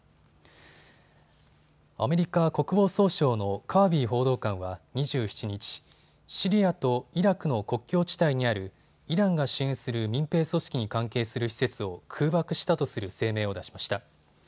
アメリカ国防総省のカービー報道官は２７日、シリアとイラクの国境地帯にあるイランが支援する民兵組織に関係する施設を空爆したとする声明を出しました。